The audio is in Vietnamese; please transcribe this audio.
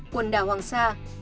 quần đảo hoàng sa